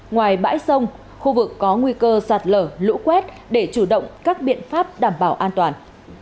ngoài bãi sông khu vực có nguy cơ sạt lở lũ quét để chủ động các biện pháp đảm bảo an toàn